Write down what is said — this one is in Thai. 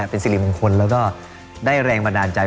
เป็นสิริมงคลแล้วก็ได้แรงบันดาลใจ